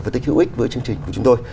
và tích hữu ích với chương trình của chúng tôi